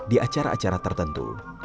di acara acara tertentu